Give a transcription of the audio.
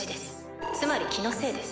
つまり気のせいです。